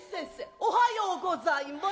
おはようございます！